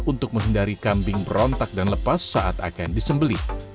untuk menghindari kambing berontak dan lepas saat akan disembeli